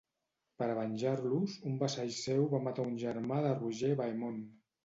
Per a venjar-los, un vassall seu va matar un germà de Roger Beaumont.